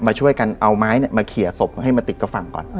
มาช่วยกันเอาไม้เนี่ยมาเขียวศพให้มาติดกระฟังก่อน